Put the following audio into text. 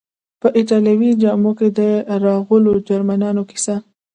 په ایټالوي جامو کې د راغلو جرمنیانو کیسه.